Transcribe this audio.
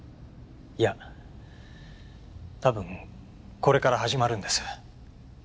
いや多分これから始まるんです。